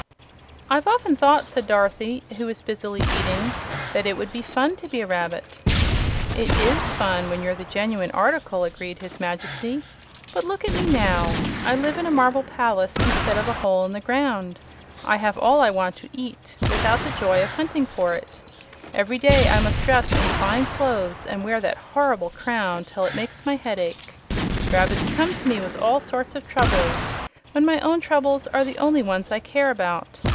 "I've often thought," said Dorothy, who was busily eating, "that it would be fun to be a rabbit." "It IS fun when you're the genuine article," agreed his Majesty. "But look at me now! I live in a marble palace instead of a hole in the ground. I have all I want to eat, without the joy of hunting for it. Every day I must dress in fine clothes and wear that horrible crown till it makes my head ache. Rabbits come to me with all sorts of troubles, when my own troubles are the only ones I care about.